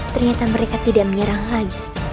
ternyata mereka tidak menyerang lagi